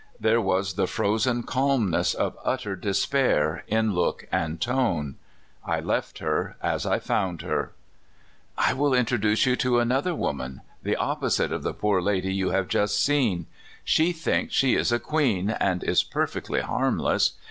There was the frozen calmness of utter despair in look and tone. I left her as I found her. " I w^ill introduce you to another woman, the opposite of the poor lady you have just seen. She thinks she is a queen, and is perfectly harmless.